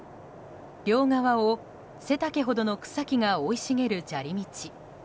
両側を背丈ほどの草木が生い茂る砂利道。